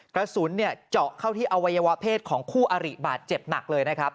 กระสุนเจาะเข้าที่อวัยวะเพศของคู่อาริบาดเจ็บหนักเลยนะครับ